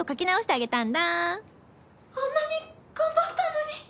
あんなに頑張ったのに。